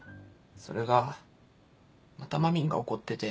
それがまたまみんが怒ってて。